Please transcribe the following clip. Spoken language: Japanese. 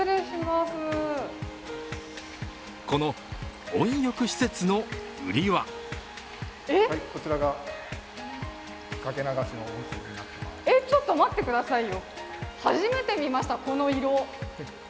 この温浴施設の売りはえっ、ちょっと待ってくださいよ初めて見ました、この色。